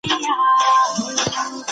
ما له دې کتاب وروسته ازاده مطالعه پيل کړه.